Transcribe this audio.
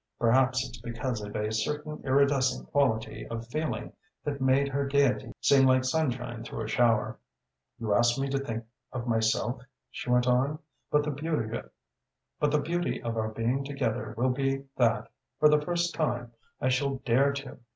Perhaps it's because of a certain iridescent quality of feeling that made her gaiety seem like sunshine through a shower.... "'You ask me to think of myself?' she went on. 'But the beauty of our being together will be that, for the first time, I shall dare to!